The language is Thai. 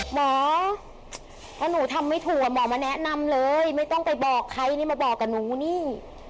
หมอถ้าหนูทำไม่ถูกหมอมาแนะนำเลยไม่ต้องไปบอกใครนี่มาบอกกับหนูนี่